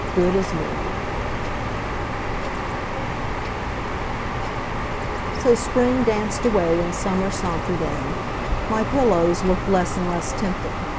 GOOD AS NEW So Spring danced away, and Summer sauntered in. My pillows looked less and less tempting.